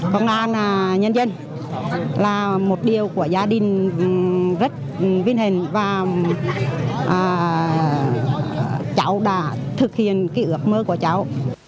công an nhân dân là một điều của gia đình rất vinh hình và cháu đã thực hiện cái ước mơ của cháu